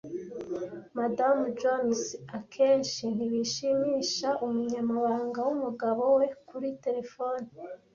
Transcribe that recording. Madamu Jones akenshi ntibishimisha umunyamabanga wumugabo we kuri terefone.